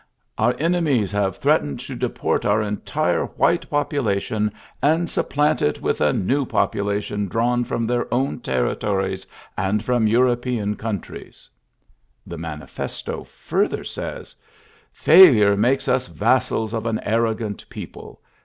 ''" Our enemies have threat ened to deport our entire white popu lation, and supplant it with a nen ULYSSES S. GEAIirr 115 population drawn from their own terri bories and from Eurox>ean countries.'' rhe manifesto ftirther says: "Failure DOiakes us vassals of an arrogant people.